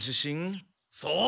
そう。